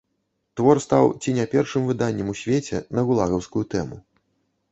Твор стаў ці не першым выданнем у свеце на гулагаўскую тэму.